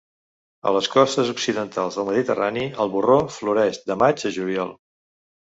A les costes occidentals del Mediterrani el borró floreix de maig a juliol.